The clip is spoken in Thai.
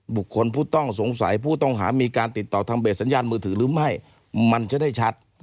บุคคลผู้ต้องสงสัยผู้ต้องหามีการติดต่อทางเบสสัญญาณมือถือหรือไม่มันจะได้ชัด